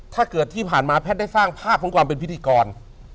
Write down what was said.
ถ้าเกิดที่ผ่านมาแท้ได้สร้างภาพของความเป็นพิธีกร